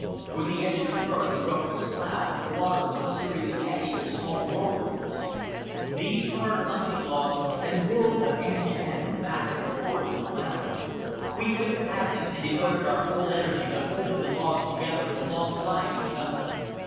Where the edge of the current struck the slough water was a series of eddies or small whirlpools. These caught our clumsy logs and whirled them end for end, back and forth and around. We quit paddling and devoted our whole energy to holding the logs together alongside each other.